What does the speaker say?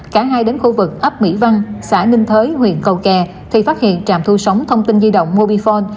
cả hai đến khu vực ấp mỹ văn xã ninh thới huyện cầu kè thì phát hiện trạm thu sóng thông tin di động mobifone